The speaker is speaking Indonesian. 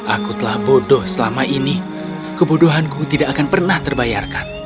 aku telah bodoh selama ini kebodohanku tidak akan pernah terbayarkan